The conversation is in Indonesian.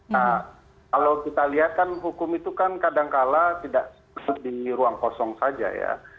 nah kalau kita lihat kan hukum itu kan kadangkala tidak di ruang kosong saja ya